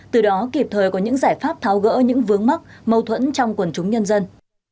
từ đó kịp thời có những giải pháp tháo gỡ những vướng mắc mâu thuẫn trong quần chúng nhân dân